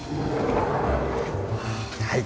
はい。